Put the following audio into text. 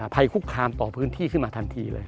ภัยคุกคามต่อพื้นที่ขึ้นมาทันทีเลย